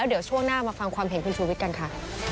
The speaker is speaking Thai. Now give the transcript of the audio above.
เดี๋ยวช่วงหน้ามาฟังความเห็นคุณชูวิทย์กันค่ะ